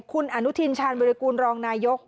คุณอนุทินชาญวิรากูลรองนายก